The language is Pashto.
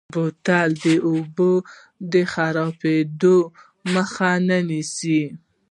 بوتل د اوبو د خرابېدو مخه نیسي.